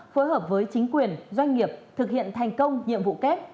phối hợp với chính quyền doanh nghiệp thực hiện thành công nhiệm vụ kép